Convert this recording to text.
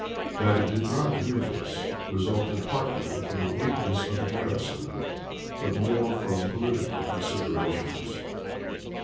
That it did not do this resulted partly from the weakness of the garrison, but more from political considera tions.